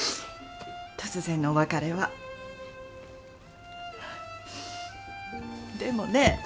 突然のお別れはでもね